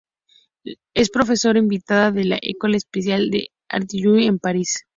Es Profesora invitada de la Ecole Speciale d Architecture en Paris.